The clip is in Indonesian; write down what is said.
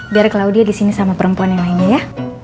biar claudia disini sama perempuan yang lainnya ya